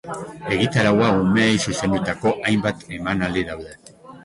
Egitaraua umeei zuzendutako hainbat emanaldi daude.